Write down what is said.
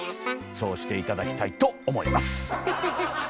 そうして頂きたいと思います！